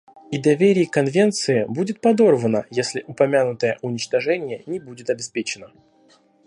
И доверие к Конвенции будет подорвано, если упомянутое уничтожение не будет обеспечено.